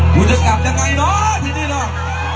กูจะกลับได้ไงเนาะทีนี้เนาะ